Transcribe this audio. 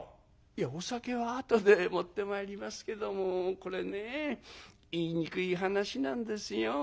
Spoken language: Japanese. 「いやお酒はあとで持ってまいりますけどもこれね言いにくい話なんですよ」。